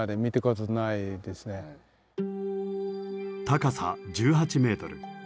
高さ１８メートル。